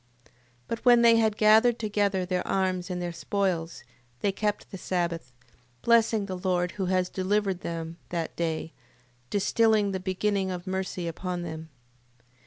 8:27. But when they had gathered together their arms and their spoils, they kept the sabbath: blessing the Lord who had delivered them that day, distilling the beginning of mercy upon them.